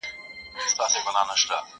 له آشنا لاري به ولي راستنېږم!